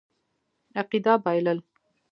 عقیده بایلل.